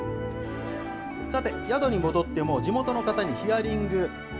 さて、宿に戻っても、地元の方にヒアリング。